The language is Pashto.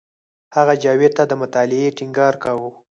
هغه جاوید ته د مطالعې ټینګار کاوه